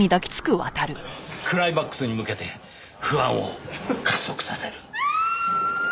クライマックスに向けて不安を加速させる。